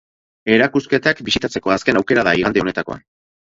Erakusketak bisitatzeko azken aukera da igande honetakoa.